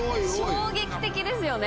衝撃的ですよね。